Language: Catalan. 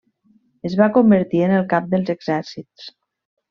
Es va convertir en el cap dels exèrcits.